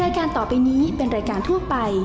รายการต่อไปนี้เป็นรายการทั่วไป